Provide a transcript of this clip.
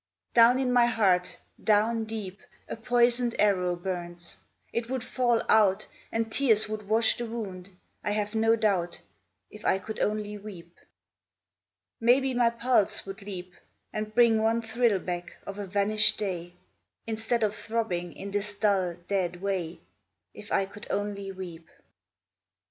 Down in my heart, down deep A poisoned arrow burns. It would fall out And tears would wash the wound, I have no doubt, If I could only weep. Maybe my pulse would leap, And bring one thrill back, of a vanished day, Instead of throbbing in this dull, dead way, If I could only weep.